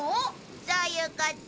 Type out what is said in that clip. そういうこと。